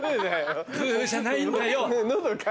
ブじゃないんだよ。